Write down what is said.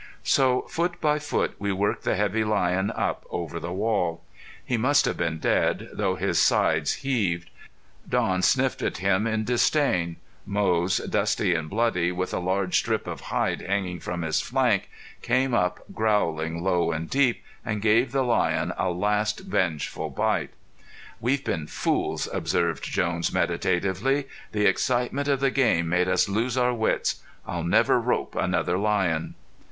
So, foot by foot, we worked the heavy lion up over the wall. He must have been dead, though his sides heaved. Don sniffed at him in disdain. Moze, dusty and bloody, with a large strip of hide hanging from his flank, came up growling low and deep, and gave the lion a last vengeful bite. "We've been fools," observed Jones, meditatively. "The excitement of the game made us lose our wits. I'll never rope another lion."